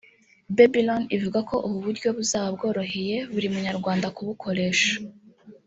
Babylon ivuga ko ubu buryo buzaba bworoheye buri Munyarwanda kubukoresha